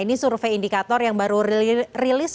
ini survei indikator yang baru rilis